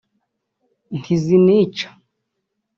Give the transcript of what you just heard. ntizinica